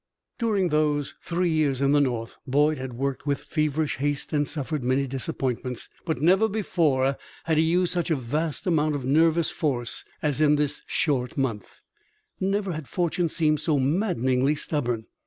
During those three years in the North, Boyd had worked with feverish haste and suffered many disappointments; but never before had he used such a vast amount of nervous force as in this short month, never had fortune seemed so maddeningly stubborn.